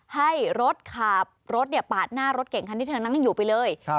ให้รถขับรถปาดหน้ารถเก่งคันที่เธอนั่งอยู่ไปเลย